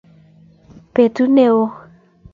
betut neoo